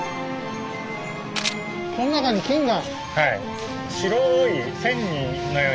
この中に金が？